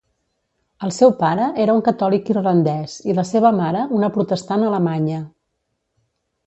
El seu pare era un catòlic irlandès i la seva mare una protestant alemanya.